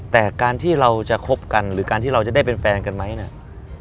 แต่การที่เราจะคบกันหรือการที่เราจะได้เป็นแฟนกันไหมเนี่ย